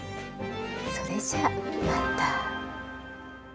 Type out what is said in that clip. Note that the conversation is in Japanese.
それじゃあまた。